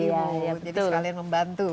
jadi sekalian membantu